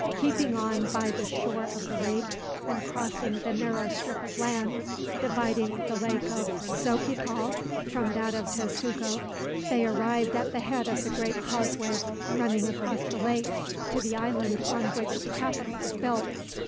Keeping on by the shore of the lake, and crossing the narrow strip of land dividing the Lake of Xochical from that of Tezcuco, they arrived at the head of the great causeway running across the lake to the island on which the capital was built.